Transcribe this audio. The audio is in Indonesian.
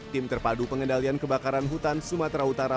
tim terpadu pengendalian kebakaran hutan sumatera utara